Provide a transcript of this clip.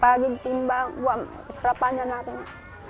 pagi ditimbang buang serapan dan lainnya